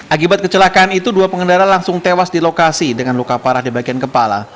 akibat kecelakaan itu dua pengendara langsung tewas di lokasi dengan luka parah di bagian kepala